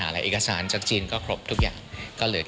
ได้รับเอกสารยืนยันว่าจะเป็น